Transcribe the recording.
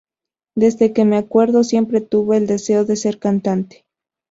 Desde que me acuerdo siempre tuve el deseo de ser cantante.